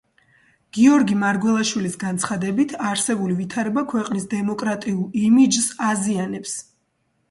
გიორგი მარგველაშვილის განცხადებით, არსებული ვითარება ქვეყნის დემოკრატიულ იმიჯს აზიანებს.